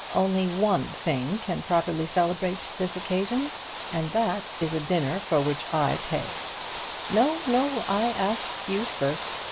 Only one thing can properly celebrate this occasion, and that is a dinner for which I pay. No, no! I asked you first.